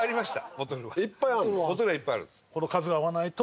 ボトルはいっぱいあるんです。